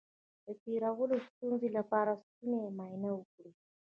د تیرولو د ستونزې لپاره د ستوني معاینه وکړئ